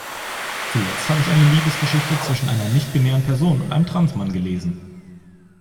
Zuletzt hab ich eine Liebesgeschichte zwischen einer nichtbinären Person und einem Trans-Mann gelesen.